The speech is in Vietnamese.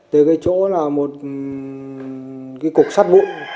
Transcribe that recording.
từ cái chỗ là một cục sắt bụi